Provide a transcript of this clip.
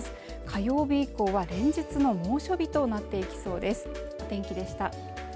火曜日以降は連日の猛暑日となっていきそうです